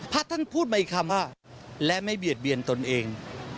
ท่านพูดมาอีกคำว่าและไม่เบียดเบียนตนเอง